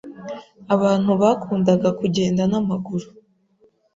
Abantu bakundaga kugenda n'amaguru.